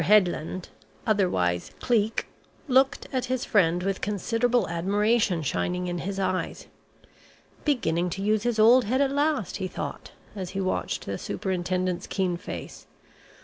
Headland (otherwise Cleek) looked at his friend with considerable admiration shining in his eyes. "Beginning to use his old head at last!" he thought as he watched the Superintendent's keen face.